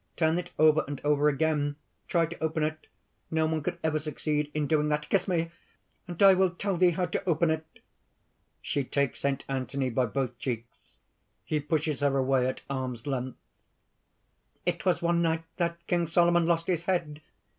Turn it over and over again! try to open it! No one could ever succeed in doing that. Kiss me! and I will tell thee how to open it." (She takes Saint Anthony by both cheeks. He pushes her away at arms' length.) "It was one night that King Solomon lost his head.